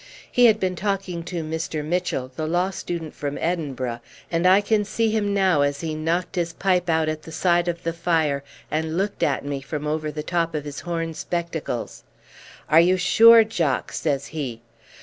He had been talking to Mr. Mitchell, the law student from Edinburgh; and I can see him now as he knocked his pipe out at the side of the fire, and looked at me from over the top of his horn spectacles. "Are you sure, Jock?" says he.